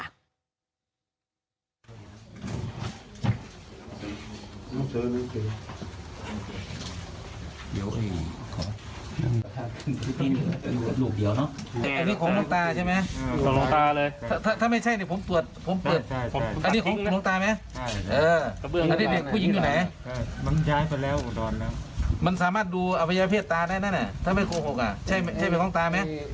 อันนี้ฟังมุกด้วยเห็นปะ